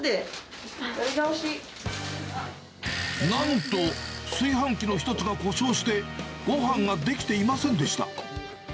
なんと、炊飯器の１つが故障して、ごはんが出来ていませんでした。